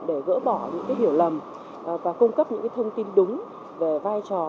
để gỡ bỏ những hiểu lầm và cung cấp những thông tin đúng về vai trò